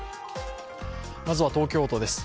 まずは東京都です。